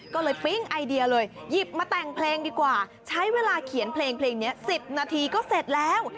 ก็เลยปิ๊งไอเดียเลยหยิบมาแต่งเพลงดีกว่าใช้เวลาเขียนเพลงนี้๑๐นาทีก็เสร็จแล้ว